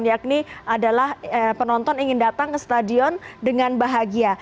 yakni adalah penonton ingin datang ke stadion dengan bahagia